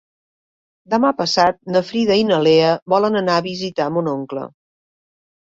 Demà passat na Frida i na Lea volen anar a visitar mon oncle.